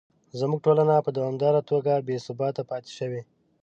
زموږ ټولنه په دوامداره توګه بې ثباته پاتې شوې.